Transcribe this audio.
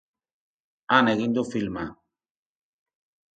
Han egin du filma.